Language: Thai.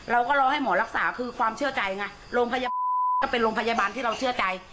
เราก็รอให้หมอรักษาคือความเชื่อใจไงโรงพยาบาลก็เป็นโรงพยาบาลที่เราเชื่อใจ